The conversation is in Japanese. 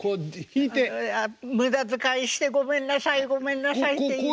無駄遣いしてごめんなさいごめんなさいって言いながら。